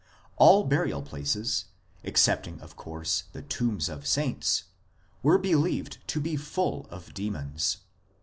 All burial places, excepting of course the tombs of saints, were believed to be full of demons.